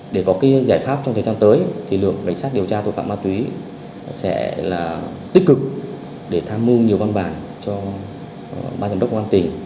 để có cái giải pháp trong thời gian tới thì lượng cảnh sát điều tra tội phạm ma túy sẽ là tích cực để tham mưu nhiều văn bản cho ban giám đốc công an tỉnh